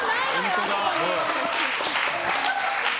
あそこに。